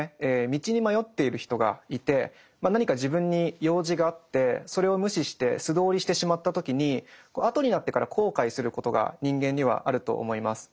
道に迷っている人がいて何か自分に用事があってそれを無視して素通りしてしまった時に後になってから後悔することが人間にはあると思います。